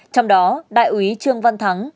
trong đó đại úy trương văn thắng